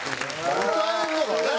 歌えるのがね！